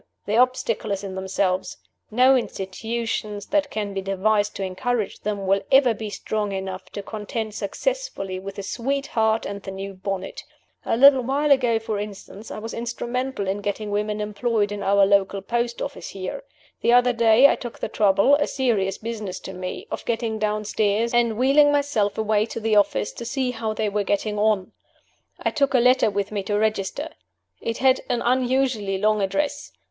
the obstacle is in themselves. No institutions that can be devised to encourage them will ever be strong enough to contend successfully with the sweetheart and the new bonnet. A little while ago, for instance, I was instrumental in getting women employed in our local post office here. The other day I took the trouble a serious business to me of getting downstairs, and wheeling myself away to the office to see how they were getting on. I took a letter with me to register. It had an unusually long address.